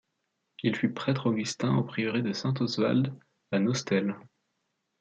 Il fut prêtre augustin au prieuré de Saint-Oswald, à Nostell.